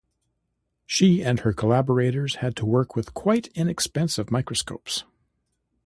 She and her collaborators had to work with quite inexpensive microscopes.